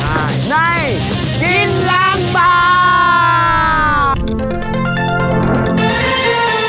โปรดติดตามตอนต่อไป